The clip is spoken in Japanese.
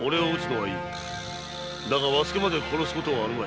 だが和助まで殺す事はあるまい。